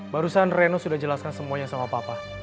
barusan reno sudah jelaskan semuanya sama papa